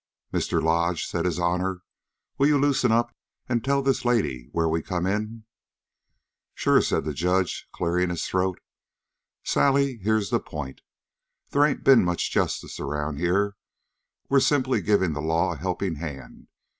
"Mr. Lodge," said his honor, "will you loosen up and tell this lady where we come in?" "Sure," said the judge, clearing his throat. "Sally, here's the point. They ain't been much justice around here. We're simply giving the law a helping hand.